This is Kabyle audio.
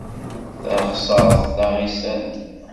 Taɣsert taɣisant.